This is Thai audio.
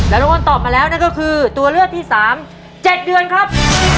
แล้วน้องอ้นตอบมาแล้วนั่นก็คือตัวเลือกที่๓๗เดือนครับ